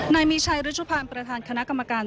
นายมีชัยฤชภานประธานคณะกรรมการ